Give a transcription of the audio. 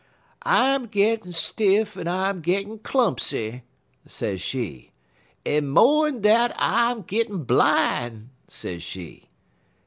"'I'm gittin' stiff en I'm gittin' clumpsy,' sez she, 'en mo'n dat I'm gittin' bline,' sez she.